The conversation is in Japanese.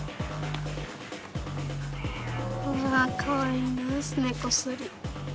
あかわいいなあすねこすり。